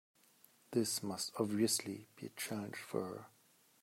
This must obviously be a challenge for her.